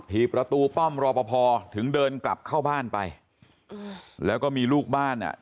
ประตูป้อมรอปภถึงเดินกลับเข้าบ้านไปอืมแล้วก็มีลูกบ้านอ่ะ